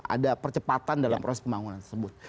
ada percepatan dalam proses pembangunan tersebut